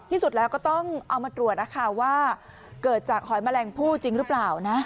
ที่สุดแล้วก็ต้องเอามาตรวจนะคะว่าเกิดจากหอยแมลงผู้จริงหรือเปล่านะ